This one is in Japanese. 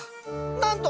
なんと！